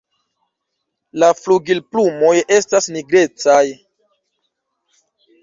La flugilplumoj estas nigrecaj.